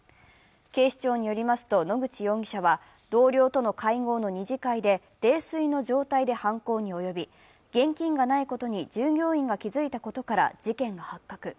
警視庁によりますと、野口容疑者は同僚との会合の二次会で泥酔の状態で犯行に及び、現金がないことに従業員が気づいたことから事件が発覚。